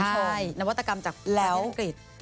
ใช่นวัตกรรมจากตัวประเทศอังกฤษ